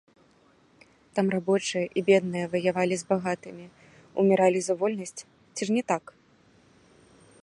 Там рабочыя і бедныя ваявалі з багатымі, уміралі за вольнасць, ці ж не так?